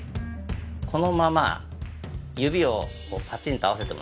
このまま指をパチンと合わせてもらっていいですか？